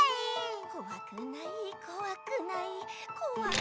こわくないこわくない。こわくな。